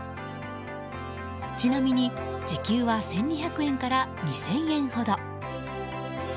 ちなみに時給は１２００円から２０００円ほど。